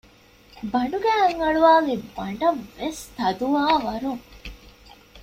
ބަނޑުގައި އަތް އަޅުވާލީ ބަނޑަށްވެސް ތަދުވާ ވަރުން